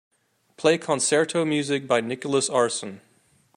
Play concerto music by Nicholaus Arson.